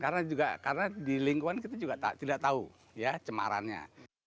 karena di lingkungan kita juga tidak tahu ya cemarannya